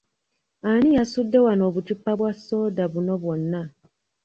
Ani yasudde wano obuccupa bwa sooda buno bwonna?